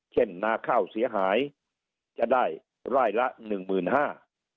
นาข้าวเสียหายจะได้ไร่ละหนึ่งหมื่นห้า